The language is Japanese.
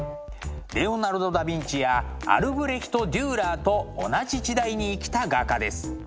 レオナルド・ダ・ヴィンチやアルブレヒト・デューラーと同じ時代に生きた画家です。